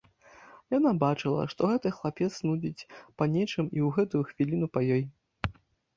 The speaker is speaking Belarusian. Яна бачыла, што гэты хлапец нудзіць па нечым і ў гэтую хвіліну па ёй.